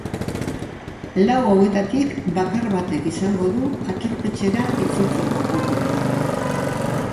Lau hauetatik bakar batek izango du aterpetxera itzultzeko aukera.